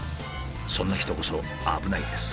そんな人こそ危ないんです。